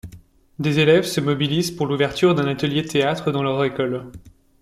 Des élèves se mobilisent pour l'ouverture d'un atelier théâtre dans leur école.